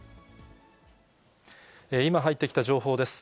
今入ってきた情報です。